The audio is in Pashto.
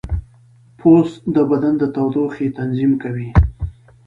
پوست د بدن د تودوخې تنظیم کوي.